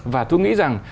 và tôi nghĩ rằng